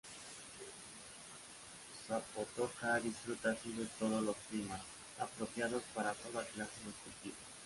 Zapatoca disfruta así de todos los climas, apropiados para toda clase de cultivos.